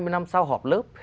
hai mươi năm sau họp lớp